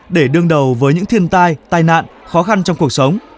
để đương đầu với những thiên tai tai nạn khó khăn trong cuộc sống